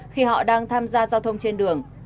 khi họ đang tham gia giao thông trên đường